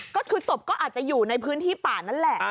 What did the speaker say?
ก็คือศพก็อาจจะอยู่ในพื้นที่ป่านั่นแหละ